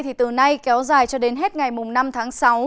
thì từ nay kéo dài cho đến hết ngày năm tháng sáu